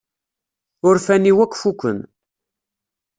Urfan-iw akk fukken.